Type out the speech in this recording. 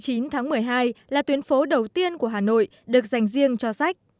phố một mươi chín tháng một mươi hai là tuyến phố đầu tiên của hà nội được dành riêng cho sách